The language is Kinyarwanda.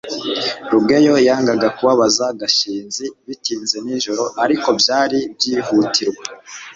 rugeyo yangaga kubabaza gashinzi bitinze nijoro, ariko byari byihutirwa